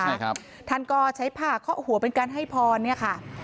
ใช่ครับท่านก็ใช้ผ้าเคาะหัวเป็นการให้พรเนี่ยค่ะ